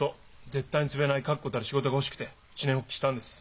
絶対に潰れない確固たる仕事が欲しくて一念発起したんです。